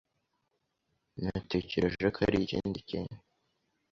Natekereje ko arikindi kintu.